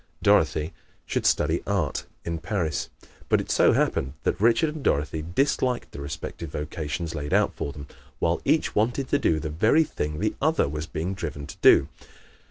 Dorothy should study art in Paris. But it so happened that Richard and Dorothy disliked the respective vocations laid out for them, while each wanted to do the very thing the other was being driven to do.